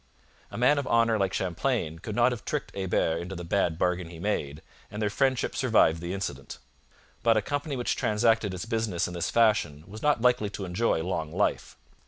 A man of honour like Champlain could not have tricked Hebert into the bad bargain he made, and their friendship survived the incident. But a company which transacted its business in this fashion was not likely to enjoy long life.